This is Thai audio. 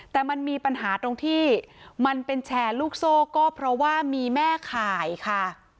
แต่มันมีปัญหาตรงที่มันเป็นแชร์ลูกโซ่ก็เพราะว่ามีแม่ข่ายค่ะ